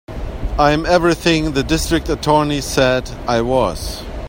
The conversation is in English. I'm everything the District Attorney said I was.